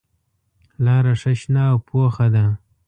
لاره ښه شنه او پوخه ده.